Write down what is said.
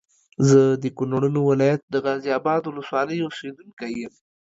زه د کونړونو ولايت د غازي اباد ولسوالۍ اوسېدونکی یم